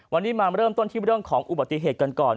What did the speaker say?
วันนี้มาเริ่มต้นที่เรื่องของอุบัติเหตุกันก่อน